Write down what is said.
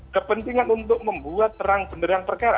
kepentingan untuk membuat terang beneran perkara